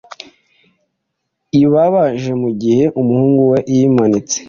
ibabajemugihe umuhungu we yimanitse